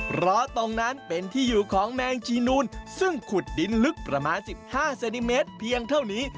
เพราะตรงนั้นเป็นที่อยู่ของแมงจีนูนซึ่งขุดดินลึกประมาณ๑๕เซนติเมตรเพียงเท่านี้